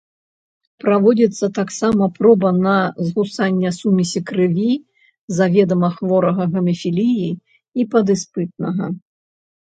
Праводзіцца таксама проба на згусання сумесі крыві заведама хворага гемафіліяй і падыспытнага.